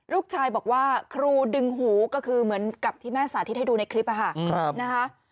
ลูกชายบอกว่าครูดึงหูก็คือเหมือนกับที่แม่สาธิตให้ดูในคลิปนะคะ